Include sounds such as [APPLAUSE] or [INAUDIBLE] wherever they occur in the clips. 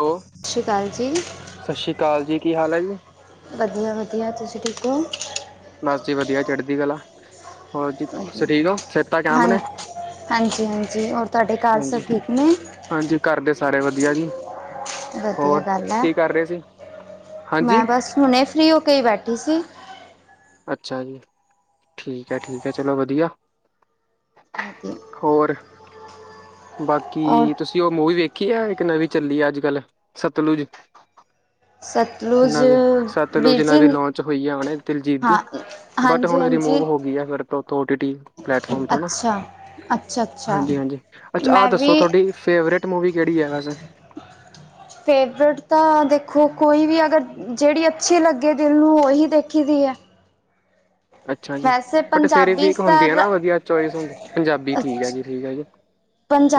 Hello ਸਾਸੀ ਅਕਾਲ ਜੀ। ਸਤਿ ਸ਼੍ਰੀ ਅਕਾਲ ਜੀ ਕੀ ਹਾਲ ਹੈ ਜੀ ਵਧੀਆ-ਵਧੀਆ। ਤੁਸੀਂ ਠੀਕ ਓ? ਬਸ ਜੀ ਵਧੀਆ ਚੜ੍ਹਦੀ ਕਲਾ। ਹੋਰ ਜੀ ਤੁ ਵਧੀਆ ਠੀਕ ਹੋ ਸੇਤਾ ਕੈਮ ਹਾਂ ਨੇ? ਹਾਂਜੀ, ਹਾਂਜੀ। ਹੋਰ, ਤੁਹਾਡੇ ਘਰ ਸਭ ਹਾਂਜੀ ਠੀਕ ਨੇ? ਹਾਂਜੀ, ਘਰ ਦੇ ਸਾਰੇ ਵਧੀਆ ਜੀ। ਵਧੀਆ ਹੋਰ ਗੱਲ ਆ। ਕੀ ਕਰ ਰਹੇ ਸੀ ਮੈਂ ਹਾਂਜੀ ਬਸ, ਹੁਣੇ ਫਰੀ ਹੋ ਕੇ ਈ ਬੈਠੀ ਸੀ। ਅੱਛਾ ਜੀ। ਠੀਕ ਐ, ਠੀਕ ਐ ਚਲੋ ਵਧੀਆ। ਹੋਰ [UNINTELLIGIBLE] ਔਰ ਬਾਕੀ ਤੁਸੀਂ ਓ ਮੂਵੀ ਵੇਖੀ ਆ? ਇੱਕ ਨਵੀਂ ਚੱਲੀ ਆ ਅੱਜ-ਕੱਲ ਸਤਲੁਜ। ਸਤਲੁਜ ਨਵੀਂ ਵੀਰ ਸਤਲੁਜ ਜੀ ਨਵੀਂ ਲਾਂਚ ਹੋਈ ਆ ਉਹ ਦੀ ਦਿਲਜੀਤ ਦੀ ਹਾਂ ਬਟ ਹਾਂਜੀ ਹੁਣ ਹਾਂਜੀ ਰਿਮੂਵ ਹੋ ਗਈ ਆ ਫਿਰਓਟੀ ਪਟਫੋਮ ਤੋਂ ਨਾ। ਅੱਛਾ ਅੱਛਾ ਅੱਛਾ ਹਾਂਜੀ, ਹਾਂਜੀ। ਅੱਛਾ, ਆਹ ਮੈਂ ਦੱਸੋ ਵੀ ਤੁਹਾਡੀ ਫੇਵਰੇਟ ਮੂਵੀ ਕਿਹੜੀ ਐ ਵਸੇ? ਫੇਵਰੇਟ ਤਾਂ ਦੇਖੋ, ਕੋਈ ਵੀ ਅਗਰ ਜਿਹੜੀ ਅੱਛੀ ਲੱਗੇ ਦਿਲ ਨੂੰ ਉਹੀ ਦੇਖੀ ਦੀ ਐ। ਅੱਛਾ ਜੀ। ਬਟ ਫੇਰ ਵੀ ਪੰਜਾਬੀ ਇੱਕ ਹੁੰਦੀ ਆ ਤਾਂ ਨਾ ਵਧੀਆ ਚੋਇਸ ਹੁੰ ਪੰਜਾਬੀ ਠੀਕ ਐ ਜੀ, ਠੀਕ ਜੀ।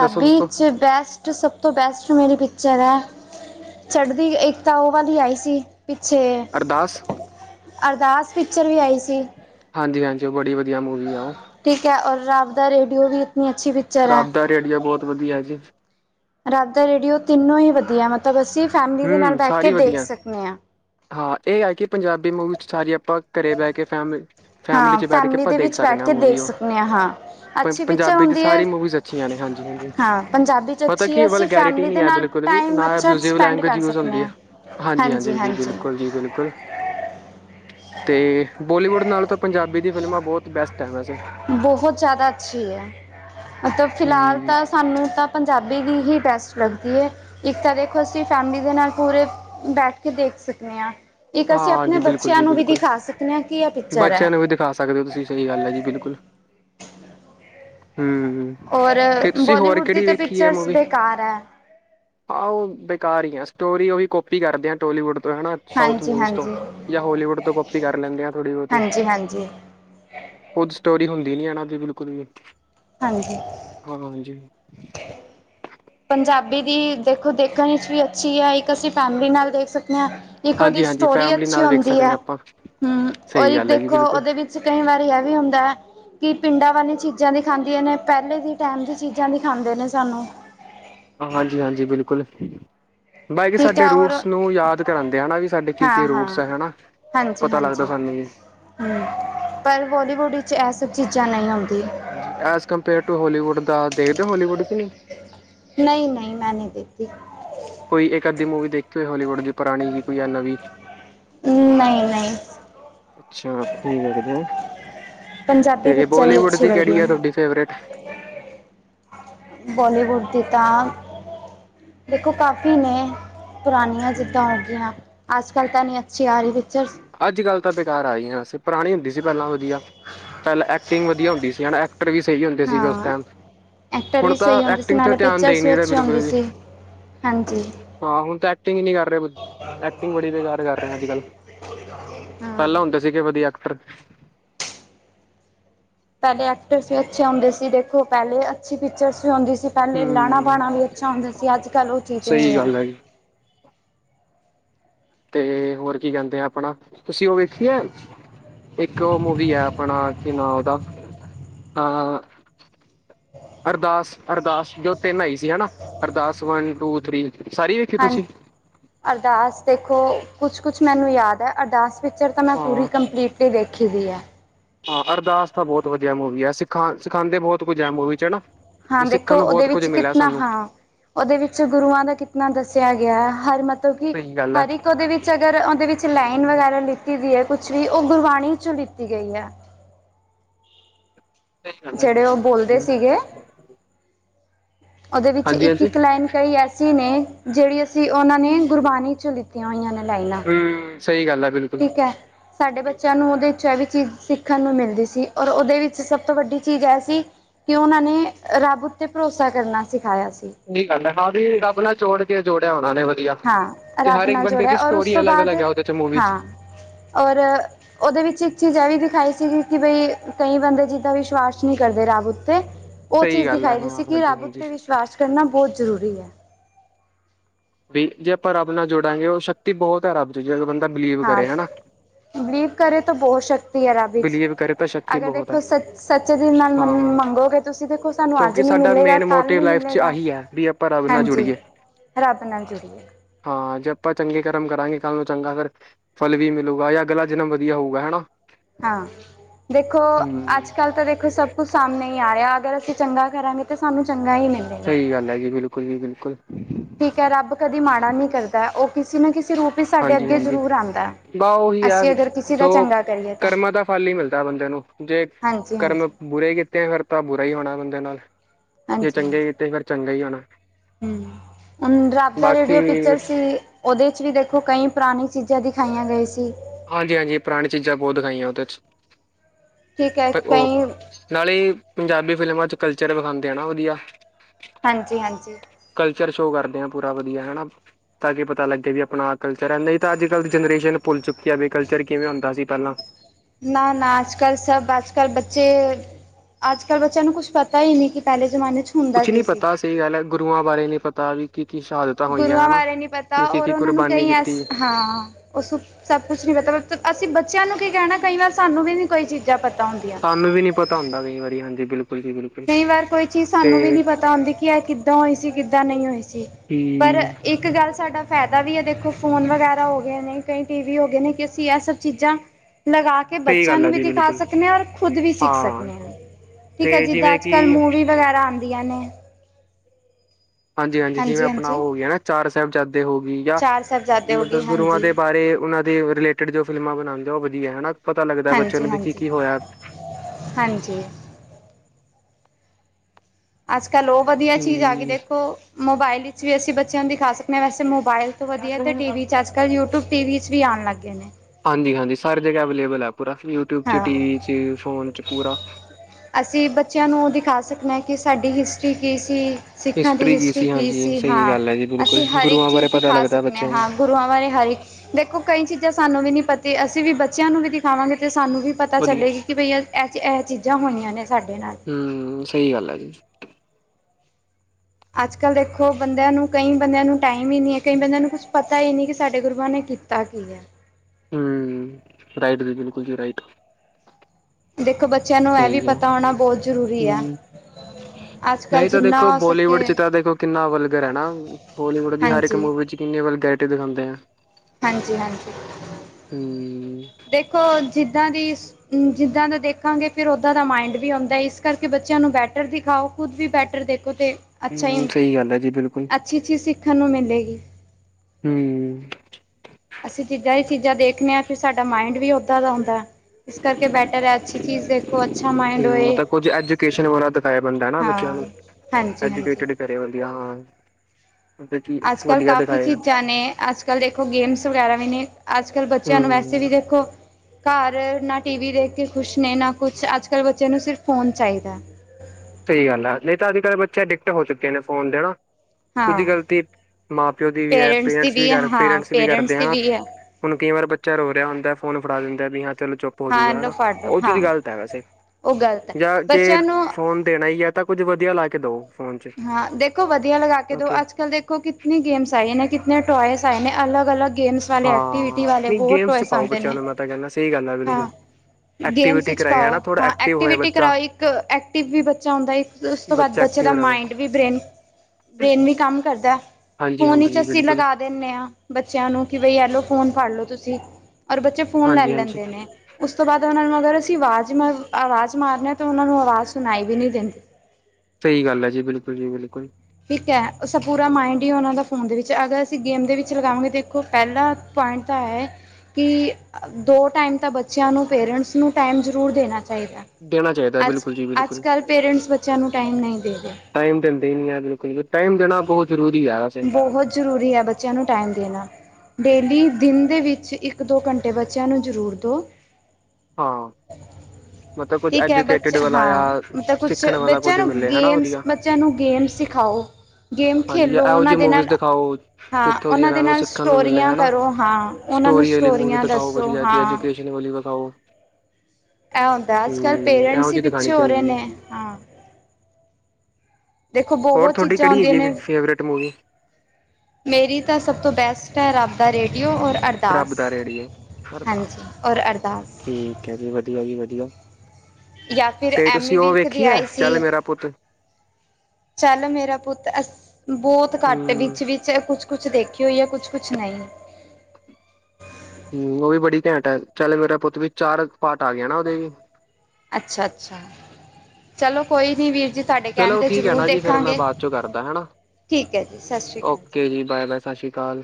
ਦੱਸੋ ਦੱਸੋ। 'ਚ ਬੈਸਟ ਸਭ ਤੋਂ ਬੈਸਟ ਮੇਰੀ ਪਿਚਰ ਹੈ। ਚੜ੍ਹਦੀ ਇੱਕ ਤਾਂ ਉਹ ਦੀ ਆਈ ਸੀ। ਪਿੱਛੇ ਅਰਦਾਸ ਅਰਦਾਸ ਪਿਚਰ ਵੀ ਆਈ ਸੀ। ਹਾਂਜੀ ਹਾਂਜੀ ਉਹ ਬੜੀ ਵਧੀਆ ਮੂਵੀ ਆ ਉਹ ਠੀਕ ਹੈ ਓਰ ਰਬ ਦਾ ਰੇਡੀਓ ਵੀ ਇਤਨੀ ਅੱਛੀ ਪਿਕਚਰ ਹੈ ਰੱਬ ਦਾ ਰੇਡੀਓ ਬਹੁਤ ਵਧੀਆ ਜੀ ਰੱਬ ਦਾ ਰੇਡੀਓ ਤਿੰਨੋ ਹੀ ਵਧੀਆ ਮਤਲਬ ਅਸੀਂ ਫੈਮਿਲੀ ਦੇ ਨਾਲ ਹੂੰ ਬੈਠ ਕੇ ਸਾਰੀ ਦੇਖ ਵਧੀਆ ਸਕਦੇ ਹਾਂ ਹਾਂ ਇਹ ਹੈ ਕਿ ਪੰਜਾਬੀ ਮੂਵੀ 'ਚ ਸਾਰੀ ਆਪਾਂ ਘਰੇ ਬਹਿ ਕੇ ਫੈਮ ਫੈਮਿਲੀ ਹਾਂ ਚ ਬੈਠ ਕੇ ਆਪਾਂ ਦੇ ਦੇਖ ਵਿੱਚ ਸਕਦੇ ਬੈਠ ਹਾਂ ਕੇ ਦੇਖ ਮੂਵੀ ਉਹ ਸਕਦੇ ਹਾਂ ਹਾਂ ਅੱਛੀ ਪਿਕਚਰ ਪੰਜਾਬੀ ਦੀ ਹੁੰਦੀ ਹੈ ਸਾਰੀ ਮੂਵੀਜ਼ ਅੱਛੀਆਂ ਨੇ ਹਾਂਜੀ ਹਾਂਜੀ ਹਾਂ ਪੰਜਾਬੀ 'ਚ ਪਤਾ ਅੱਛੀ ਹੈ ਕੀ ਵੱਲ ਅਸੀਂ ਗੈਰਟੀ ਫੈਮਿਲੀ ਨਹੀਂ ਦੇ ਹੈ ਨਾਲ ਬਿਲਕੁਲ ਟਾਈਮ ਅੱਛਾ ਯ ਸਪੈਂਡ ਲੈਂਗੁਏਜ ਕਰ ਸਕਦੇ ਹੁੰਦੀ ਹਾਂ ਆ ਹਾਂਜੀ ਹਾਂਜੀ ਬਿਲਕੁਲ ਜੀ ਬਿਲਕੁਲ ਤੇ ਬੋਲੀਵੁੱਡ ਨਾਲੋਂ ਤਾਂ ਪੰਜਾਬੀ ਦੀ ਫਿਲਮਾਂ ਬਹੁਤ ਬੈਸਟ ਹੈ ਵੈਸੇ ਬਹੁਤ ਜ਼ਿਆਦਾ ਅੱਛੀ ਹੈ ਮਤਲਬ ਫਿਲਹਾਲ ਹੂੰ। ਤਾਂ ਸਾਨੂੰ ਤਾਂ ਪੰਜਾਬੀ ਦੀ ਹੀ ਟੈਸਟ ਲੱਗਦੀ ਹੈ। ਇੱਕ ਤਾਂ ਦੇਖੋ ਅਸੀਂ ਫੈਮਲੀ ਦੇ ਨਾਲ ਪੂਰੇ ਬੈਠ ਕੇ ਦੇਖ ਸਕਦੇ ਹਾਂ। ਇੱਕ ਅਸੀਂ ਹਾਂ ਆਪਣੇ ਜੀ ਬਿਲਕੁਲ ਬੱਚਿਆਂ ਜੀ ਨੂੰ ਵੀ ਬਿਲਕੁਲ ਦਿਖਾ ਸਕਦੇ ਹਾਂ ਕੀ ਇਹ ਪਿਕਚਰ ਬੱਚਿਆਂ ਹੈ। ਨੂੰ ਵੀ ਦਿਖਾ ਸਕਦੇ ਹੋ ਤੁਸੀਂ ਸਹੀ ਗੱਲ ਹੈ ਜੀ ਬਿਲਕੁਲ [INAUDIBLE] ਹਮ ਔਰ ਬੋਲੀਵੁਡ ਦੀ ਤਾਂ ਪਿਕਚਰਸ ਮੂਵੀ ਬੇਕਾਰ ਹੈ। ਆਹ ਉਹ ਬੇਕਾਰ ਹੀ ਆ ਸਟੋਰੀ ਉਹੀ ਕੋਪੀ ਕਰਦੇ ਆ ਵੋਲੀਵੁੱਡ ਤੋਂ ਹਾਂਜੀ ਮੁਵੀਜ਼ ਤੋਂ ਹਾਂਜੀ ਜਾਂ ਹੋਲੀਵੁੱਡ ਤੋਂ ਕਾਪੀ ਕਰ ਲੈਂਦੇ ਆ ਥੋੜੀ ਬਹੁਤੀ ਹਾਂਜੀ ਹਾਂਜੀ ਖੁਦ ਸਟੋਰੀ ਹੁੰਦੀ ਨੀ ਇਹਨਾਂ ਦੀ ਬਿਲਕੁਲ ਵੀ ਹਾਂਜੀ। ਹਾਂਜੀ। [INAUDIBLE] ਪੰਜਾਬੀ ਦੀ ਦੇਖੋ ਦੇਖਣ ਵਿੱਚ ਵੀ ਅੱਛੀ ਹੈ ਇੱਕ ਅਸੀ ਫੈਮਿਲੀ ਨਾਲ ਦੇਖ ਸਕਦੇ ਹਾਂ। ਇੱਕ ਉਹ ਦੀ ਹਾਂਜੀ ਹਾਂਜੀ ਸਟੋਰੀ ਫੈਮਿਲੀ ਅੱਛੀ ਨਾਲ ਵੇਖ ਹੁੰਦੀ ਸਕਦੇ ਹੈ ਹਾਂ ਆਪਾਂ ਹਮ ਸਹੀ ਇੱਕ ਗੱਲ ਹੈ ਜੀ ਦੇਖੋ ਬਿਲਕੁਲ ਉਹਦੇ ਵਿੱਚ ਕਈ ਵਾਰੀ ਇਹ ਵੀ ਹੁੰਦਾ ਹੈ ਕਿ ਪਿੰਡਾਂ ਵਾਲੀ ਚੀਜ਼ਾਂ ਦੀ ਖਾਂਦੀਆਂ ਨੇ ਪਹਿਲੇ ਦੇ ਟਾਈਮ ਦੀ ਚੀਜ਼ਾਂ ਦੀਖਾਂਦੇ ਨੇ ਸਾਨੂੰ ਹਾਂਜੀ -ਹਾਂਜੀ ਬਿਲਕੁਲ ਬਾਈਕ ਠੀਕ ਸਾਡੇ ਹੈ ਔਰ ਰੂਟਸ ਨੂੰ ਯਾਦ ਕਰਾਦੇ ਵੀ ਸਾਡੇ ਕੀ ਕੀ ਹਾਂ ਹਾਂ ਰੂਟਸ ਹੈ ਹਨਾ ਹਾਂਜੀ ਪਤਾ ਹਾਂਜੀ ਲੱਗਦਾ ਸਾਨੂੰ ਹੀ ਪਰ ਬੋਲੀਵੁੱਡ ਵਿੱਚ ਇਹ ਸਭ ਚੀਜ਼ਾਂ ਨਹੀਂ ਆਂਦੀ ਹਾਂਜੀ। ਐਸ ਕੰਪੇਅਰ ਟੂ ਹੋਲੀਵੁੱਡ ਦਾ ਦੇਖਦੇ ਹੋਲੀਵੁੱਡ ਕਿ ਨਹੀਂ ਨਹੀਂ - ਨਹੀਂ ਮੈਂ ਨਹੀਂ ਦਿੱਤੀ ਕੋਈ ਇੱਕ ਅੱਧੀ ਮੂਵੀ ਦੇਖ ਕੇ ਹੋਏ ਹੋਲੀਵੁੱਡ ਦੀ ਪੁਰਾਨੀ ਕੋਈ ਜਾਂ ਨਵੀ ਨਹੀਂ- ਨਹੀਂ। ਅੱਛਾ ਪੰਜਾਬੀ ਤੇ ਪਿਕਚਰ ਹੀ ਬੋਲੀਵੁੱਡ ਅੱਛੀ ਦੀ ਕਿਹੜੀ ਆ ਲੱਗਦੀ ਤੁਹਾਡੀ ਫੇਵਰੇਟ ਬੋਲੀਵੁੱਡ ਦੀ ਤਾਂ ਦੇਖੋ ਕਾਫੀ ਨੇ ਪੁਰਾਣੀਆਂ ਜਿੱਦਾਂ ਹੋ ਹੂੰ ਗਈਆਂ ਅੱਜ ਕੱਲ੍ਹ ਤਾਂ ਨਹੀਂ ਅੱਛੀ ਆ ਰਹੀ ਪਿਕਚਰਸ ਅੱਜ ਕੱਲ੍ਹ ਤਾਂ ਬੇਕਾਰ ਆਈ ਹ ਅਸੀਂ ਪੁਰਾਣੀ ਹੁੰਦੀ ਸੀ ਪਹਿਲਾਂ ਵਧੀਆ ਪਹਿਲਾਂ ਐਕਟਿੰਗ ਵਧੀਆ ਹੁੰਦੀ ਸੀ ਹਨਾ ਐਕ ਵੀ ਸਹੀ ਹੁੰਦੇ ਸੀਗੇ ਉਸ ਹਾਂ ਟੈਮ ਐਕਟਰ ਹੁਣ ਵੀ ਤਾਂ ਸਹੀ ਹੁੰਦੇ ਸੀ ਐਕਟਿੰਗ ਤੇ ਨਾਲੇ ਧਿਆਨ ਦੇ ਈ ਪਿਕਚਰਸ ਵੀ ਨੀ ਰਏ ਅੱਛੀ ਬਿਲਕੁਲ ਹੁੰਦੀ ਵੀ ਸੀ ਹਾਂਜੀ ਹਾਂ ਹੁਣ ਤਾਂ ਐਕਟਿੰਗ ਹੀ ਨਹੀਂੀ ਕਰ ਰਹੇ ਐਕਟਿੰਗ ਬੜੀ ਬੇਕਾਰ ਕਰ ਰਹੇ ਨੇ ਅੱਜ ਕੱਲ੍ਹ ਹਾਂ ਪਹਿਲਾਂ ਹੁੰਦੇ ਸੀਗੇ ਵਧੀਆ ਅਕਟਰ ਪਹਿਲੇ ਐਕਟਰਸ ਵੀ ਅੱਛੇ ਹੁੰਦੇ ਸੀ ਦੇਖੋ ਪਹਿਲੇ ਅੱਛੀ ਪਿਕਚਰਸ ਵੀ ਔਦੀਂ ਸੀ। ਪਹਿਲੇ ਲਾਣਾ ਪਾਉਣਾ ਹੂੰ ਵੀ ਅੱਛਾ ਹੁੰਦਾ ਸੀ, ਅੱਜ ਕੱਲ੍ਹ ਉਹ ਚੀਜ਼ ਸਹੀ ਨਹੀਂ ਹੈ ਗੱਲ ਹੈਗੀ ਤੇ ਹੋਰ ਕੀ ਕਹਿੰਦੇ ਆ ਆਪਣਾ ਤੁਸੀਂ ਓ ਵੇਖੀ ਐ? ਇੱਕ ਉਹ ਮੂਵੀ ਹੈ ਆਪਣਾ ਕੀ ਨਾਂ ਉਹਦਾ -ਹਾਂ ਅਰਦਾਸ-ਅਰਦਾਸ ਜੋ ਤਿੰਨ ਆਈ ਸੀ ਹਨਾ ਅਰਦਾਸ ਵਨ ਟੂ ਥ੍ਰਰੀ ਸਾਰੀ ਵੇਖੀ ਹਾਂਜੀ ਤੁਸੀਂ ਅਰਦਾਸ ਦੇਖੋ ਕੁਛ-ਕੁਛ ਮੈਨੂੰ ਯਾਦ ਐ ਅਰਦਾਸ ਪਿਕਚਰ ਤਾਂ ਮੈਂ ਹਾਂ ਪੂਰੀ ਕੰਪਲੀਟਲੀ ਦੇਖੀ ਦੀ ਹੈ ਅਰਦਾਸ ਤਾਂ ਬਹੁਤ ਵਧੀਆ ਮੂਵੀ ਹੈ ਸਿਖਾ ਸਿਖਾਉਦੇ ਬਹੁਤ ਕੁਝ ਹੈ ਮੂਵੀ ਚ ਨ ਹਾਂ, ਦੇਖੋ ਉਹਦੇ ਵਿੱਚ ਕਿਤਨਾ ਹਾਂ ਉਹਦੇ ਵਿੱਚ ਗੁਰੂਆਂ ਦਾ ਕਿਤਨਾ ਦੱਸਿਆ ਗਿਆ ਹਰ ਮਤ ਕਿ ਸਹੀ ਗੱਲ ਹੈ ਹਰ ਇੱਕ ਉਹਦੇ ਵਿੱਚ ਅਗਰ ਉਹਦੇ ਵਿੱਚ ਲਾਈਨ ਵਗੈਰਾ ਲਿ ਕੀਤੀ ਹੈ ਕੁਛ ਵੀ ਉਹ ਗੁਰਬਾਣੀ ਚੋਂ ਲਿੱਤੀ ਗਈ ਹੈ। ਜਿਹੜੇ ਉਹ ਬੋਲਦੇ ਸੀਗੇ। ਉਹਦੇ ਵਿੱਚ ਹਾਂਜੀ ਇੱਕ - ਹਾਂਜੀ ਇੱਕ ਲਾਈਨ ਕਈ ਐਸੀੇ ਨੇ ਜਿਹੜੀ ਅਸੀਂ ਉਹਨਾਂ ਨੇ ਗੁਰਬਾਣੀ ਚੋਂ ਲਿੱਖੀਆਂ ਹੋਈਆਂ ਨੇ ਲਾਈਨਾਂ ਹੂ ਸਹੀ ਗੱਲ ਹੈ ਬਿਲਕੁਲ ਠੀਕ ਐ ਸਾਡੇ ਬੱਚਿਆਂ ਨੂੰ ਓਦੇ ਚੋਂ ਐਵੀ ਚੀਜ਼ ਸਿੱਖ [INAUDIBLE] ਸਿੱਖਣ ਨੂੰ ਮਿਲਦੀ ਸੀ ਔਰ ਉਹਦੇ ਵਿੱਚ ਸਭ ਤੋਂ ਵੱਡੀ ਚੀਜ਼ ਇਹ ਸੀ ਕਿ ਉਹਨਾਂ ਨੇ, ਰੱਬ ਉੱਤੇ ਭਰੋਸਾ ਕਰਨਾ ਸਿਖਾਇਆ ਸੀ [INAUDIBLE] ਰੱਬ ਨਾਲ ਜੋੋੜ ਕੇ ਜੋੜਿਆ ਉਹਨਾਂ ਨੇ ਵਧੀਆ ਹਾਂ ਤੇ ਰੱਬ ਹਰ ਇੱਕ ਨਾਲ ਬੰਦੇ ਜੋੜਿਆ ਦੀ ਔਰ ਉਸ ਸਟੋਰੀ ਤੋਂ ਅਲੱਗ ਬਾਅਦ, ਅਲੱਗ ਹੈ ਉਹਦੇ ਚ ਮੂਵੀ ਚ ਹਾਂ ਔਰ ਉਹਦੇ ਵਿੱਚ ਇੱਕ ਚੀਜ਼ ਇਹ ਵੀ ਦਿਖਾਈ ਸੀਗੀ ਕਿ ਬਈ ਕਈ ਬੰਦੇ ਜਿੱਦਾਂ ਵਿਸ਼ਵਾਸ ਨਹੀਂ ਕਰਦੇ ਰੱਬ ਉੱਤੇ ਉਹ ਸਹੀ ਚੀਜ਼ ਗੱਲ ਹੈ ਦਿਖਾਈ ਰਹੀ ਸੀ ਹਾਂ ਕਿ ਹਾਂਜੀ ਰੱਬ ਹਾਂਜੀ ਉੱਤੇ ਵਿਸ਼ਵਾਸ ਕਰਨਾ ਬਹੁਤ ਜ਼ਰੂਰੀ ਹੈ ਵੀ ਜੇ ਆਪਾਂ ਰੱਬ ਨਾਲ ਜੁੜਾਂਗੇ ਉਹ ਸ਼ਕਤੀ ਬਹੁਤ ਹੈ ਰੱਬ ਚ ਜੇ ਬੰਦਾ ਬਿਲੀਵ ਕਰੇ, ਹਨਾ ਬਲੀਵ ਕਰੇ ਤਾਂ ਬਹੁਤ ਸ਼ੱਕਤੀ [INAUDIBLE] [INAUDIBLE] ਰਬ ਵਿੱਚ ਬਿਲੀਵ ਕਰੇ ਤਾਂ ਸ਼ਕਤੀ ਅਗਰ ਬਹੁਤ ਹੈ ਦੇਖੋ ਸ ਸੱਚੇ ਦਿਲ ਨਾਲ ਹਾਂ ਮੰਗੋਗੇ ਤੁਸੀਂ ਦੇਖੋ ਸਾਨੂੰ ਅੱਜ ਕਿਉਂਕਿ ਨੀ ਸਾਡਾ ਮਿਲੇਗਾ ਮੇਨ ਕੱਲ ਮੋਟਿਵ ਨੀ ਲਾਈਫ 'ਚ ਮਿਲੇਗਾ ਆਹੀ ਹੈ ਵੀ ਆਪਾਂ ਰੱਬ ਨਾਲ ਹਾਂਜੀ। ਜੁੜੀਏ ਰੱਬ ਨਾਲ ਜੁੜੀਏ ਹਾਂ ਜੇ ਆਪਾਂ ਚੰਗੇ ਕਰਮ ਕਰਾਂਗੇ ਕੱਲ੍ਹ ਨੂੰ ਚੰਗਾ ਕਰ ਫਲ ਵੀ ਮਿਲੂਗਾ ਯਾ ਅਗਲਾ ਜਿੰਨਮ ਵਧੀਆ ਹੋਊਗਾ ਹੈਨਾ ਹਾਂ, ਦੇਖੋ -ਅੱਜ ਹਮ ਕੱਲ੍ਹ ਤਾਂ ਦੇਖੋ ਸਭ ਕੁਛ ਸਮਣੇ ਹੀ ਆ ਰਿਹਾ ਅਗਰ ਅਸੀਂ ਚੰਗਾ ਕਰਾਂਗੇ ਤਾਂ ਸਾਨੂੰ ਚੰਗਾ ਹੀ ਲੈਂਦੇ ਸਹੀ ਗੱਲ ਹੈਗੀ ਬਿਲਕੁਲ ਵੀ ਬਿਲਕੁਲ ਠੀਕ ਐ ਰੱਬ ਕਦੀ ਮਾੜਾ ਨੀ ਕਰਦਾ ਓ ਕਿਸੇ ਨਾ ਕਿਸੇ ਰੂਪ ਵਿੱਚ ਸਾਡੇ ਅੱਗੇ ਜਰੂਰ ਆਂਦਾ। ਬਾ ਓਈ ਆ ਜੋ ਤਾਂ ਕਰਮਾਂ ਦਾ ਫਲ ਈ ਮਿਲਦਾ ਬੰਦੇ ਨੂੰ ਜੇ ਹਾਂਜੀ ਕਰਮ ਹਾਂਜੀ ਬੁਰੇ ਕੀ ਤੇ ਫਿਰ ਤਾਂ ਬੁਰਾ ਈ ਹੋਨਾ ਬੰਦੇ ਨਾਲ ਜੇ ਚੰਗੇ ਕੀਤੇ ਫਿਰ ਚੰਗਾ ਈ ਹੋਨਾ। ਹੂੰ, ਹੁਨ ਰਬ ਦਾ ਰੇਡੀਓ ਪੀਚਰ ਸੀ ਉਦੇ ਚ ਵੀ ਦੇਖੋ ਕਈ ਪੁਰਾਨੀ ਚੀਜ਼ਾ ਦਿਖਾਈਆਂ ਗਏ ਸੀ। ਹਾਂਜੀ-ਹਾਂਜੀ ਪੁਰਾਨੀ ਚੀਜ਼ਾ ਬੌਤ ਦਿਖਾਈਆਂ ਉਦੇ ਚ ਠੀਕ ਹੈ ਬਨ ਓ ਕਈ ਨਾਲੇ ਪੰਜਾਬੀ ਫਿਲਮਾਂ ਕਲਚਰ ਵਿਖਾਂਦੇ ਆ ਨਾ ਵਦੀਆ। ਹਾਂਜੀ-ਹਾਂਜੀ। ਕਲਚਰ ਸ਼ੋਅ ਕਰਦੇ ਆ ਪੂਰਾ ਵਦੀਆ ਹੈਨਾ। ਤਾਂ ਕਿ ਪਤਾ ਲੱਗੇ ਵੀ ਅਪਣਾ ਕਲਚਰ ਹੈ ਨਹੀਂ ਤਾਂ ਅੱਜ-ਕੱਲ੍ਹ ਦੀ ਜਨਰੇਸ਼ਨ ਭੁੱਲ ਚੁੱਕੀ ਐ ਵੀ ਕਲਚਰ ਕਿਵੇਂ ਹੁੰਦਾ ਸੀ ਪਹਿਲਾਂ। ਨਾ ਨਾ, ਅੱਜ-ਕੱਲ ਸਭ ਅੱਜ-ਕੱਲ੍ਹ ਬੱਚੇ ਅੱਜ-ਕੱਲ ਬੱਚਿਆਂ ਨੂੰ ਕੁਝ ਪਤਾ ਹੀ ਨਹੀਂ ਕਿ ਪਹਿਲੇ ਜਮਾਨੇ ਚ। ਹੁੰਦਾ ਕੁਛ ਨੀ ਕੀ ਸੀ ਪਤਾ ਸਹੀ ਗੱਲ ਹੈ। ਗੁਰੂਆਂ ਬਾਰੇ ਨਹੀਂ ਪਤਾ ਕੀ -ਕੀ ਸ਼ਹਾਦਤ ਗੁਰੂਆਂ ਬਾਰੇ ਨੀ ਪਤਾ ਔਰ ਉਹਨਾਂ ਨੂੰ ਕਈ ਕੀਤੀ ਹਾਂ ਉਸ ਸਭ ਕੁਛ ਨੀ ਮਤਲਬ ਅਸੀਂ ਬੱਚਿਆਂ ਨੂੰ ਕੀ ਕਹਿਣਾ ਕਈ ਵਾਰ ਸਾਨੂੰ ਵੀ ਨੀ ਕੋਈ ਚੀਜ਼ਾਂ ਪਤਾ ਹੁੰਦੀਆਂ। ਮੈਨੂੰ ਵੀ ਨ ਪਤਾ ਹੁੰਦਾ ਕਈ ਵਾਰੀ ਹਾਂਜੀ, ਬਿਲਕੁਲ ਜੀ, ਬਿਲਕੁਲ। ਕਈ ਵਾਰ ਕੋਈ ਚੀਜ਼ ਤੇ ਸਾਨੂੰ ਵੀ ਨਹੀਂ ਪਤਾ ਹੁੰਦੀ ਕਿ ਇਹ ਕਿੱਦਾਂ ਹੋਈ ਸੀ, ਕਿੱਦਾਂ ਨਹੀਂ ਹੋਈ ਸੀ। ਪਰ ਹਮ ਇੱਕ ਗੱਲ ਸਾਡਾ ਫਾਇਦਾ ਵੀ ਹੈ, ਦੇਖੋ ਫੋਨ ਵਗੈਰਾ ਹੋ ਗਏ ਨੇ, ਕਈ ਟੀ-ਵੀ ਹੋ ਗਏ ਨੇ, ਕਿ ਅਸੀਂ ਇਹ ਸਭ ਚੀਜ਼ਾਂ ਲਗਾ ਕੇ ਕਿ ਸਹੀ ਬੱਚਿਆਂ ਗੱਲ ਨੂੰ ਹੈ ਵੀ ਜੀ ਦਿਖਾ ਬਿਲਕੁਲ ਸਕਦੇ ਹਾਂ, ਔਰ ਖੁਦ ਵੀ ਸਿੱਖ ਸਕਦੇ ਹਾਂ, ਠੀਕ ਐ ਤੇ ਜੀ। ਜਿਵੇਂ ਕਿ ਵਗੈਰਾ ਆਂਦੀਆਂ ਨੇ। ਹਾਂਜੀ-ਹਾਂਜੀ, ਜਿਵੇਂ ਹਾਂਜੀ ਆਪਣਾ ਉਹ ਹਾਂਜੀ। ਹੋ ਗਿਆ ਨਾ ਚਾਰ ਸਾਹਿਬਜ਼ਾਦੇ ਹੋ ਗਈ ਜਾਂ ਚਾਰ ਸਾਹਿਬਜ਼ਾਦੇ ਹੋ ਗਏ ਮਤਲਬ ਗੁਰੂਆਂ ਹਾਂਜੀ ਦੇ ਬਾਰੇ ਉਹਨਾਂ ਦੇ ਰਿਲੇਟਿਡ ਜੋ ਫਿਲਮਾਂ ਬਣਾਂਦੇ ਐ ਉਹ ਵਧੀਆ ਹਨਾ ਪਤਾ ਲੱਗਦਾ ਬੱਚਿਆਂ ਹਾਂਜੀ ਨੂੰ ਦੇਖ ਹਾਂਜੀ ਕੀ-ਕੀ ਹੋਇਆ। ਹਾਂਜੀ। ਅੱਜ-ਕੱਲ੍ਹ ਉਹ ਵਧੀਆ ਚੀਜ਼ ਆ ਗਈ ਕੀ ਦੇਖੋ ਮੋਬਾਇਲ ਵਿੱਚ ਵੀ ਅਸੀਂ ਬੱਚਿਆਂ ਨੂੰ ਦਿਖਾ ਸਕਦੇ ਹਾਂ, ਵੈਸੇ ਮੋਬਾਇਲ ਵਧੀਆ ਤੇ ਟੀ-ਵੀ ਚ ਅੱਜ-ਕੱਲ ਯੂਟੀਊਬ ਟੀ-ਵੀ ਚ ਵੀ ਆਣ ਲੱਗ ਗਏ ਨੇ। ਹਾਂਜੀ-ਹਾਂਜੀ, ਸਾਰੀ ਜਗ੍ਹਾ ਅਵੇਲੇਬਲ ਐ ਪੂਰਾ, ਯੂਟਿਊਬ 'ਚ ਹਾਂ ਟੀ 'ਚ ਫੋਨ 'ਚ ਪੂਰਾ। ਅਸੀਂ ਬੱਚਿਆਂ ਨੂੰ ਓ ਦਿਖਾ ਸਕਨੇ ਆਂ ਕਿ ਸਾਡੀ ਹਿਸਟਰੀ ਕੀ ਸੀ। ਸਿੱਖਾਂ ਦੀ ਹਿਸਟਰੀ ਕੀ ਹਾਂਜੀ ਸੀ ਸਹੀ ਹਾਂ, ਗੱਲ ਹੈ ਜੀ ਬਿਲਕੁਲ ਅਸੀਂ ਹਰ ਇੱਕ ਗੁਰੂਆਂ ਬਾਰੇ ਚੀਜ਼ ਪਤਾ ਦਿਖਾ ਲੱਗਦਾ ਸਕਦੇ ਆਂ, ਬੱਚਿਆਂ ਨੂੰ ਹਾਂ ਗੁਰੂਆਂ ਬਾਰੇ ਹਰ ਇੱਕ ਦੇਖੋ ਕਈ ਚੀਜ਼ਾਂ ਸਾਨੂੰ ਵੀ ਨਹੀ ਪਤੀ ਅਸੀਂ ਵੀ ਬੱਚਿਆਂ ਨੂੰ ਵੀ ਦਿਖਾਵਾਂਗੇ ਤੇ ਸਾਨੂੰ ਵੀ ਪਤਾ ਵਧੀਆ ਚਲੇਗੀ। ਕਿ ਬਈ ਇਹ ਇਹ ਚੀਜ਼ਾਂ ਹੋਈਆਂ ਨੇ ਸਾਡੇ ਨਾਲ। ਹੁੰ, ਸਹੀ ਗੱਲ ਐ ਜੀ। ਅੱਜ ਕੱਲ੍ਹ ਦੇਖੋ, ਬੰਦਿਆਂ ਨੂੰ ਕਈ ਬੰਦਿਆਂ ਨੂੰ ਟਾਈਮ ਹੀ ਨਹੀਂ ਐ ਕਈ ਬੰਦਿਆਂ ਨੂੰ ਕੁਛ ਪਤਾ ਹੀ ਨਹੀਂ ਕਿ ਸਾਡੇ ਗੁਰਬਆਂ ਨੇ ਕੀਤ ਤਾ ਕੀ ਐ। ਹੁੰ, ਰਾਈਟ ਜੀ, ਬਿਲਕੁਲ ਜੀ ਰਾਈਟ। ਦੇਖੋ ਬੱਚਿਆਂ ਨੂੰ ਇਹ ਵੀ ਸਹੀ ਹੈ ਪਤਾ ਹੋਣਾ ਬਹੁਤ ਜ਼ਰੂਰੀ ਐ। ਹਮ ਨਹੀਂ ਤਾਂ ਦੇਖੋ, ਬਾਲੀਵੁੱਡ ਚ ਤਾ ਦੇਖੋ। ਕਿੰਨਾ ਵਲਗਰ ਐ ਨਾ, ਬੋਲੀਵੁੱਡ ਦੀ ਹਰ ਇੱਕ ਹਾਂਜੀ ਮੂਵੀ ਚ ਕਿੰਨੀ ਵਲਗੈਰਟੀ ਦਿਖਾਂਦੇ ਆ। ਹਾਂਜੀ-ਹਾਂਜੀ, ਹਮ ਦੇਖੋ ਜਿੱਦਾਂ ਦੀ ਮ ਜਿੱਦਾਂ ਦਾ ਦੇਖਾਂਗੇ ਫਿਰ ਓਦਾਂ ਦਾ ਮਾਇੰਡ ਵੀ ਆਉਂਦਾ ਐ, ਇਸ ਕਰਕੇ ਬੱਚਿਆਂ ਨੂੰ ਬੈਟਰ ਦਿਖਾਓ ਖੁਦ ਵੀ ਬੈਟਰ ਦੇਖ [UNINTELLIGIBLE] ਹੁੰ, ਸਹੀ ਗੱਲ ਐ ਜੀ ਬਿਲਕੁਲ। ਅੱਛੀ-ਅੱਛੀ ਸਿੱਖਣ ਨੂੰ ਮਿਲੇਗੀ। ਹੁੰ, ਅਸੀਂ ਜਿੰਦਾ ਹੀ ਚੀਜ਼ਾਂ ਦੇਖਣੇ ਹਾਂ ਫੇਰ ਸਾਡਾ ਮਾਇੰਡ ਵੀ ਓਦਾਂ ਦਾ ਹੁੰਦਾ। ਇਸ ਕਰਕੇ ਬੈਟਰ ਐ ਅੱਛੀ ਚੀਜ਼ ਦੇਖੋ, ਅੱਛਾ ਮਾਈੰਡ ਹੋਏ, ਮਤਲਬ ਕੁੱਝ ਐਜੂਕੇਸ਼ਨ ਵਾਲਾ ਹਾਂ। ਹਾਂਜੀ। ਹਾਂਜੀ ਏਜੁਕੇਟਿਡ ਕਰੇ ਵਧਆ ਹਾਂ। ਮਤਲਬ ਕਿ ਅੱਜ ਕੱਲ੍ਹ ਵਧੀਆ ਕਾਫ਼ੀ ਦਿਖਾਏ ਚੀਜ਼ਾਂ ਨੇ, ਅੱਜ ਕੱਲ੍ਹ ਦੇਖੋ ਗੇਮਸ ਵਗੈਰਾ ਵੀ ਨੇ, ਅੱਜ ਕੱਲ੍ਹ ਬੱਚਿਆਂ ਨੂੰ ਵੈਸੇ ਵੀ ਹੂੰ ਦੇਖੋ। ਕਾਰ ਨਾ ਟੀ-ਵੀ ਦੇਖ ਕੇ ਕੁਛ ਨੇ ਨਾ ਕੁਛ ਅੱਜ ਕੱਲ੍ਹ ਬੱਚਿਆਂ ਨੂੰ ਸਿਰਫ ਫੋਨ ਚਾਹੀਦਾ। ਸਹੀ ਗੱਲ ਆ, ਨਹੀਂ ਤਾਂ ਅੱਜ ਕੱਲ੍ਹ ਬੱਚੇ ਅਡਿਕਟ ਹੋ ਚੁੱਕੇ ਨੇ ਫੋਨ ਦੇ ਹੇਨਾ। ਕੁੱਝ ਹਾਂ ਗ਼ਲਤੀ ਮਾਂ ਪਿਓ ਦੀ ਵੀ ਐ, ਦੀ ਪੇਰੈਂਟਸ ਵੀ ਕਰ ਹਾਂ ਪੇਰੈਂਟਸ ਵੀ ਕਰਦੇ ਦੀ ਹਾਂ। ਵੀ ਹੈ ਹੁਣ ਕਈ ਵਾਰ ਬੱਚਾ ਰੋ ਰਿਹਾ ਹੁੰਦਾ ਫੋਨ ਫੜਾ ਦਿੰਦੇ ਐ, ਵੀ ਹਾਂ ਚਲੋ ਚੁਪ ਹਾਂ ਹੋਜੂਗਾ ਲੋ ਹਨ, ਫੜ ਲੋ ਉਹ ਚੀਜ਼ ਹਾਂ ਗ਼ਲਤ ਐ ਵੇਸੇ ਉਹ ਗ਼ਲਤ ਹੈ ਜਾਂ ਜੇ ਬੱਚਿਆਂ ਨੂੰ ਫੋਨ ਦੇਣਾ ਹੀ ਐ ਤਾਂ ਕੁੱਝ ਵਧੀਆ ਲਾ ਕੇ ਦੋ। ਹਾਂ, ਦੇਖੋ ਵਧੀਆ ਲਗਾ ਕੇ ਦੋ, ਅੱਜ ਕੱਲ ਦੇ ਕੋ ਕਿਤਨੀ ਗੇਮਸ ਆਏ ਨੇ, ਕਿਤੇ ਟੋਇਜ ਆਏ ਨੇ ਅਲਗ-ਅਲਗ ਗੇਮਸ ਵਾਲੇ ਐਕਟੀਵਟੀ ਹਾਂ ਵਾਲੇ ਨਹੀਂ ਬਹੁਤ ਗੇਮਸ ਚ ਟੋਇਸ ਪਾਓ ਆਂਦੇ ਬੱਚਿਆਂ ਨੇ। ਨੂੰ ਮੈਂ ਤਾਂ ਕਹਿਣਾ, ਸਹੀ ਗੱਲ ਐ ਹਾਂ ਬਿਲਕੁਲ। ਗੇਮਸ ਐਕਟੀਵਿਟੀ ਇੰਚ ਕਰਾਏ ਪਾਓ, ਹਨਾ ਥੋੜਾ ਹਾਂ ਐਕਟਿਵ ਹੋਏ ਐਕਟੀਵਿਟੀ ਬੱਚਾ ਕਰਾਓ ਇੱਕ ਐਕਟਿਵ ਵੀ ਬੱਚਾ ਹੁੰਦਾ। ਉਸ ਤੋਂ ਬਾਅਦ ਬੱਚਾ ਬੱਚੇ ਦਾ ਐਕਟਿਵ ਰਹੇ ਮਾਇੰਡ ਵੀ ਬ੍ਰੇਨ-ਬ੍ਰੇਨ ਵੀ ਕੰਮ ਕਰਦਾ ਹਾਂਜੀ ਫੋਨ ਹੀ ਹਾਂਜੀ ਜੀ ਅੱਸੀ ਬਿਲਕੁਲ ਲਗਾ ਦਿੰਦੇ ਆ ਬੱਚਿਆਂ ਨੂੰ ਕਿ ਬਈ ਐਲੋ ਫੋਨ ਫੜ ਲੋ ਤੁਸੀਂ ਔਰ ਬੱਚੇ ਫੋਨ ਲੈ ਹਾਂਜੀ ਲੈਂਦੇ। ਹਾਂਜੀ ਨੇ ਉਸ ਤੋਂ ਬਾਅਦ ਉਹਨਾਂ ਨੂੰ ਅਗਰ ਅਸੀਂ ਵਾਜ਼ ਮਾਰ ਆਵਾਜ਼ ਮਾਰਨੇ ਆਂ ਤਾਂ ਉਹਨਾਂ ਨੂੰ ਆਵਾਜ਼ ਸੁਣਾਈ ਵੀ ਨੀ ਦਿੰਦੀ। ਸਹੀ ਗੱਲ ਐ ਜੀ ਬਿਲਕੁਲ ਜੀ, ਬਿਲਕੁਲ। ਠੀਕ ਐ, ਉਹ ਪੂਰਾ ਮਾਇਂਡ ਹੀ ਉਹਨਾਂ ਦਾ ਫੋਨ ਦੇ ਵਿੱਚ ਅਗਰ ਅਸੀਂ ਗੇਮ ਦੇ ਵਿੱਚ ਲਗਾਵਾਂਗੇ ਦੇਖੋ ਪਹਿਲਾਂ ਪੁਆਇੰਟ ਤਾਂ ਐ। ਕਿ ਦੋ ਟਾਈਮ ਤਾਂ ਬੱਚਿਆਂ ਨੂੰ, ਪੇਰੈਂਟਸ ਨੂੰ ਟਾਈਮ ਜ਼ਰੂਰ ਦੇਣਾ ਚਾਹੀਦਾ। ਦੇਣਾ ਚਾਹੀਦਾ ਹੈ, ਅੱਜ, ਬਿਲਕੁਲ ਜੀ ਅੱਜ- ਬਿਲਕੁਲ ਕੱਲ੍ਹ ਪੇਰੈਂਟਸ ਬੱਚਿਆਂ ਨੂੰ ਟਾਈਮ ਨਹੀਂ ਦੇਦੇ। ਟੈਮ ਦਿੰਦੇ ਹੀ ਨਹੀਂ ਐ ਬਿਲਕੁਲ ਵੀ, ਟੈਮ ਦੇਣਾ ਬਹੁਤ ਜ਼ਰੂਰੀ ਐ ਵੈਸੇ। ਬਹੁਤ ਜ਼ਰੂਰੀ ਐ, ਬੱਚਿਆਂ ਨੂੰ ਟੈਮ ਦੇਣਾ। ਡੇਲੀ ਦਿਨ ਦੇ ਵਿੱਚ, ਇੱਕ- ਦੋ ਘੰਟੇ ਬੱਚਿਆਂ ਨੂੰ ਜ਼ਰੂਰ ਦਿਉ। ਹਾਂ। ਮਤਲਬ ਕੁੱਝ ਠੀਕ ਹੈ ਐਜੂਕੇਟਿਡ ਬੱਚਾ ਵਾਲਾ, ਹਾਂ ਜਾਂ ਮਤਲਬ ਕੁਛ ਸਿੱਖਣ ਵਾਲਾ ਬੱਚਿਆਂ ਕੁੱਝ ਨੂੰ ਮਿਲੇ ਹਨਾ, ਗੇਮਸ ਵਧੀਆ। ਬੱਚਿਆਂ ਨੂੰ ਗੇਮ ਸਿਖਾਓ, ਗੇਮ ਹਾਂਜੀ ਖੇਲ ਜਾਂ ਲੋ ਇਹੋ ਉਹਨਾਂ ਜਿਹੀ ਦੇ ਨਾਲ, ਮੂਵੀਜ਼ ਦਿਖਾਓ ਹਾਂ ਜਿੱਥੋਂ ਦੀ ਉਹਨਾਂ ਦੇ ਇਹਨਾਂ ਨੂੰ ਨਾਲ ਸਿੱਖਣ ਨੂੰ ਮਿਲੇ ਸਟੋਰੀਆਂ ਹਨਾ ਕਰੋ, ਹਾਂ। ਉਹਨਾਂ ਨੂੰ ਸਟੋਰੀਆਂ ਦੱਸੋ, ਹਾਂ। ਬੱਚਿਆਂ ਨੂੰ ਬੋਲੀ ਵਖਾਓ। ਇਹ ਹੁੰਦਾ, ਅੱਜ-ਕੱਲ੍ਹ ਪੇਰੈਂਟਸ ਇਹੋ ਹੀ ਜਿਹੀ ਪਿੱਛੇ ਦਿਖਾਣੀ ਹੋ ਰਹੇ ਚਾਹੀਦੀ ਨੇ, ਹੈ ਹਾਂ। ਦੇਖੋ ਹੋਰ ਬਹੁਤ ਥੋਡੀ ਚੀਜ਼ਾਂ ਕਿਹੜੀ ਆਉਂਦੀਆਂ ਹੈਗੀ ਏ, ਨੇ ਫੇਵਰੇਟ ਮੂਵੀ। ਮੇਰੀ ਤਾਂ ਸਭ ਤੋਂ ਬੈਸਟ ਐ, ਰੱਬ ਦਾ ਰੇਡੀਓ, ਔਰ ਰੱਬ ਅਰਦਾਸ ਦਾ ਰੇੜੀਏ ਅਰਦਾਸ ਹਾਂਜੀ, ਔਰ ਅਰਦਾਸ। ਠੀਕ ਹੈ ਜੀ, ਵਧੀਆ ਜੀ ਵਧੀਆ। ਜਾਂ ਫਿਰ ਤੇ ਤੁਸੀਂ ਐਮੀ ਉਹ ਵਿਰਕ ਦੀ ਵੇਖੀ ਹੈ ਆਈ ਸੀ। ਚੱਲ ਮੇਰਾ ਪੁੱਤ ਚੱਲ ਮੇਰਾ ਪੁੱਤ ਅ, ਬਹੁਤ ਘੱਟ ਹਮ ਵਿੱਚ ਵੀ ਤੇ ਕੁਛ- ਕੁਛ ਦੇਖੀ ਹੋਈ ਹੈ, ਕੁਛ-ਕੁਛ ਨਹੀਂ। ਹੂੰ, ਉਹ ਵੀ ਬੜੀ ਘੈਂਟ ਐ, ਚੱਲ ਮੇਰਾ ਪੁੱਤ ਵੀ ਚਾਰ ਪਾਟ ਆ ਗਏ ਹਨਾ ਉਹਦੇ ਵੀ। ਅੱਛਾ- ਅੱਛਾ, ਚਲੋ ਕੋਈ ਨਹੀਂ ਵੀਰ ਜੀ। ਤੁਹਾਡੇ ਕਹਿਣ ਚਲੋ ਤੇ ਠੀਕ ਹੈ ਜ਼ਰੂਰ ਨਾ ਜੀ ਫਿਰ ਮੈਂ ਦੇਖਾਂਗੇ, ਬਾਅਦ ਚੋਂ ਕਰਦਾ ਹੈਨਾ ਠੀਕ ਐ ਜੀ, ਸਸ਼ ਰੀ ਕਾਲ ਜੀ। ਬਾਏ-ਬਾਏ, ਸਸ਼ ਰੀ ਕਾਲ।